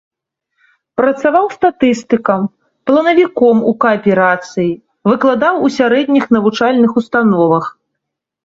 Працаваў статыстыкам, планавіком у кааперацыі, выкладаў у сярэдніх навучальных установах.